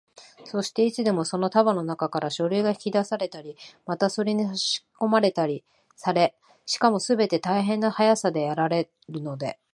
そして、いつでもその束のなかから書類が引き出されたり、またそれにさしこまれたりされ、しかもすべて大変な速さでやられるので、